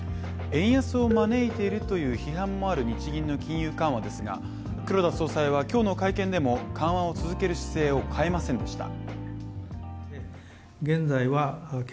円安を招いているという批判もある日銀の金融緩和ですが、黒田総裁は今日の会見でも緩和を続ける姿勢を変えませんでした。